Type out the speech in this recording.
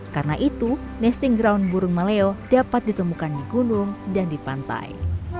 karena itu nasting ground burung maleo dapat ditemukan di gunung dan di pantai